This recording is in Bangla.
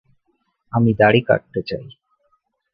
আমি দাড়ি কাটতে চাই।